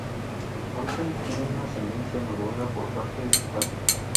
Los Olsen tienen ascendencia noruega por parte de su padre.